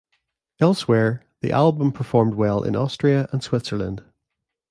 Elsewhere, the album performed well in Austria and Switzerland.